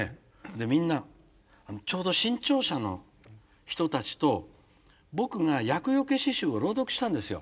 でみんなちょうど新潮社の人たちと僕が「厄除け詩集」を朗読したんですよ。